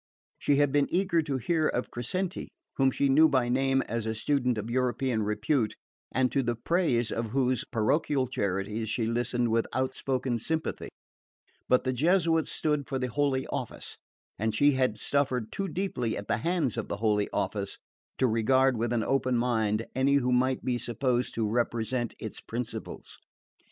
She had been eager to hear of Crescenti, whom she knew by name as a student of European repute, and to the praise of whose parochial charities she listened with outspoken sympathy; but the Jesuits stood for the Holy Office, and she had suffered too deeply at the hands of the Holy Office to regard with an open mind any who might be supposed to represent its principles.